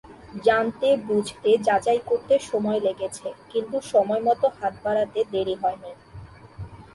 জানতে, বুঝতে, যাচাই করতে সময় লেগেছে, কিন্তু সময়মতো হাত বাড়াতে দেরি হয়নি।